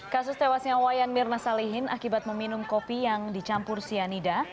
kasus tewasnya wayan mirna salihin akibat meminum kopi yang dicampur cyanida